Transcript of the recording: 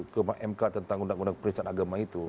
ke mk tentang undang undang periksaan agama itu